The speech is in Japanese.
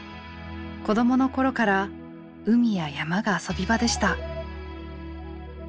子供の頃から海や山が遊び場でした。